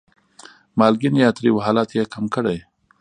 مالګین یا تریو حالت یې کم کړي.